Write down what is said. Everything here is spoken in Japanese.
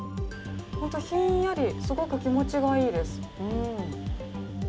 ホント、ひんやりすごく気持ちがいいです。